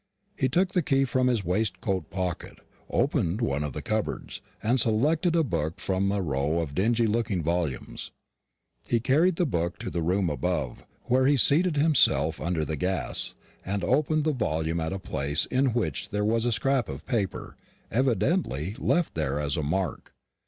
He took the key from his waistcoat pocket, opened one of the cupboards, and selected a book from a row of dingy looking volumes. He carried the book to the room above, where he seated himself under the gas, and opened the volume at a place in which there was a scrap of paper, evidently left there as a mark.